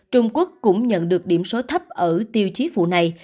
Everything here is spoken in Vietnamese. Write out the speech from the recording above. trung quốc cũng nhận được điểm số thấp ở tiêu chí phụ này